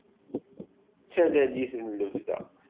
Dtalalit n lebda.